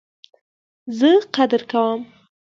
زه قدر کوم